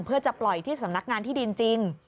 เพื่อจะปล่อยที่สำนักงานที่ดินจริง